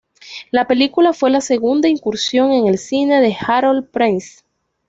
La película fue la segunda incursión en el cine de Harold Prince.